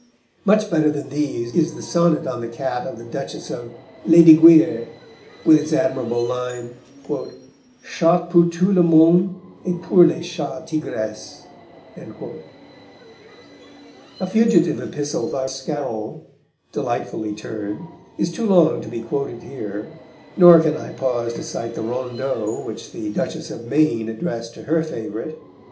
Much better than these is the sonnet on the cat of the Duchess of Lesdiguières, with its admirable line: Chatte pour tout le monde, et pour les chats tigresse. A fugitive epistle by Scarron, delightfully turned, is too long to be quoted here, nor can I pause to cite the rondeau which the Duchess of Maine addressed to her favourite.